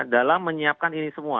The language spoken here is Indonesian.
dalam menyiapkan ini semua